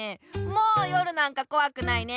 もう夜なんかこわくないね。